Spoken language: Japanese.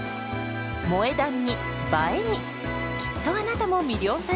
「萌え断」に「映え」にきっとあなたも魅了されるはず！